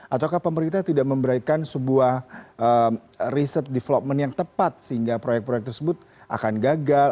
ataukah pemerintah tidak memberikan sebuah riset development yang tepat sehingga proyek proyek tersebut akan gagal